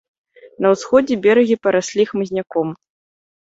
На ўсходзе берагі параслі хмызняком.